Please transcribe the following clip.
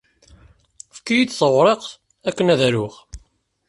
Efk-iyi-d tawriqt akken ad aruɣ!